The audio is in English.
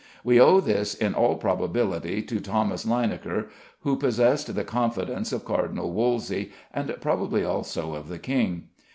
We owe this in all probability to Thomas Linacre, who possessed the confidence of Cardinal Wolsey, and probably also of the king.